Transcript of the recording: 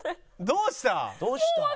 どうした？